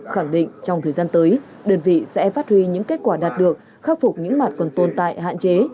khẳng định trong thời gian tới đơn vị sẽ phát huy những kết quả đạt được khắc phục những mặt còn tồn tại hạn chế